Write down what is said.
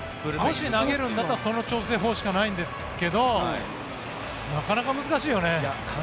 もし投げるならその調整法しかないんだけどなかなか難しいよね。